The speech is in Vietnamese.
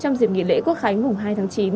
trong dịp nghỉ lễ quốc khánh mùng hai tháng chín